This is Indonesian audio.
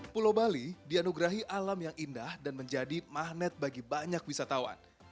pulau bali dianugerahi alam yang indah dan menjadi magnet bagi banyak wisatawan